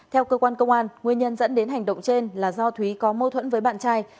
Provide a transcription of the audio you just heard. theo cơ quan công an nguyên nhân dẫn đến hành động trên là do thúy có mâu thuẫn với bạn trai